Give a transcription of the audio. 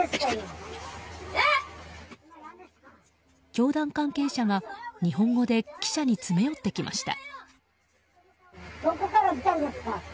教団関係者が、日本語で記者に詰め寄ってきました。